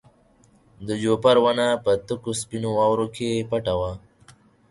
د جوپر ونه په تکو سپینو واورو کې پټه وه.